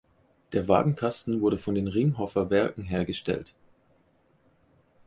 Der Wagenkasten wurde von den Ringhoffer-Werken hergestellt.